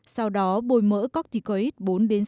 sau đó bôi mỡ cocticoid